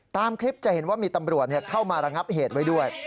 ตามคลิปจะเห็นว่ามีตำรวจเข้ามาระงับเหตุไว้ด้วย